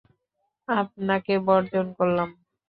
আপনাকে বর্জন করলাম।